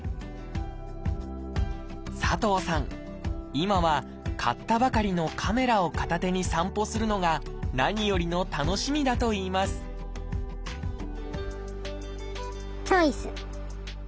今は買ったばかりのカメラを片手に散歩するのが何よりの楽しみだといいますチョイス！